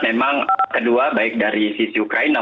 memang kedua baik dari sisi ukraina